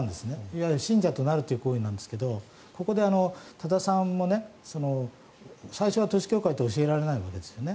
いわゆる信者となるという行為なんですがここで多田さんも最初は統一教会と教えられないわけですよね。